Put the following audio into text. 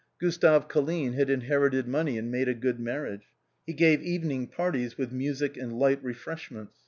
Gustave Colline had inherited money and made a good marriage. He gave evening parties with music and light refresh ments.